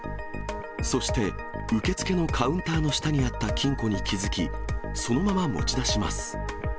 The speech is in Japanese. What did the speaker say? そして、受付のカウンターの下にあった金庫に気付き、そのまま持ち出します。